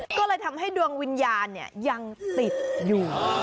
ก็เลยทำให้ดวงวิญญาณยังติดอยู่